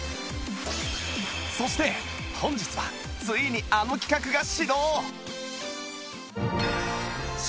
そして本日はついにあの企画が始動